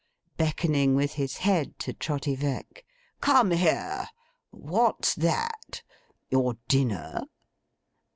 beckoning with his head to Trotty Veck. 'Come here. What's that? Your dinner?